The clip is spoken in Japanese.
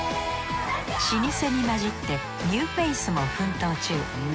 老舗に混じってニューフェイスも奮闘中。